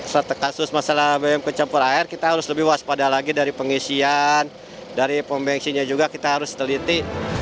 setelah kasus masalah bmk campur air kita harus lebih waspada lagi dari pengisian dari pembeksinya juga kita harus teliti